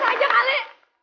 segala figure lukarnya